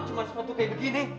cuma sepatu kayak begini